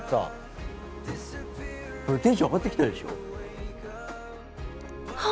テンション上がってきたでしょ？